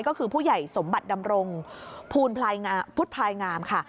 ก็คือผู้ใหญ่สมบัติดำรงภูลพุทธพลายงามค่ะ